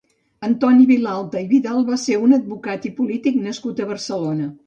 Antoni Vilalta i Vidal va ser un advocat i polític nascut a Barcelona.